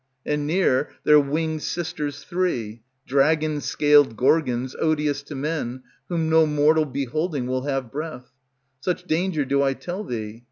And near, their winged sisters three, Dragon scaled Gorgons, odious to men, Whom no mortal beholding will have breath; Such danger do I tell thee.